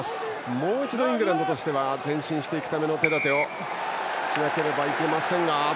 もう一度イングランドは前進していくための手立てをしないといけません。